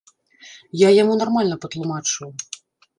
Я яму нармальна патлумачыў.